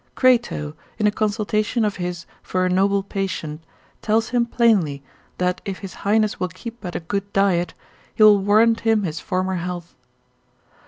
Crato, in a consultation of his for a noble patient, tells him plainly, that if his highness will keep but a good diet, he will warrant him his former health.